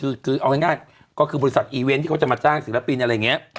คือเอาง่ายก็คือบริษัทอีเวนต์ที่เขาจะมาจ้างศิลปินอะไรอย่างนี้